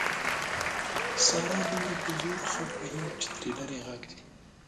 ساره دومره په زوره خټ وهي چې تر لرې یې غږ ځي.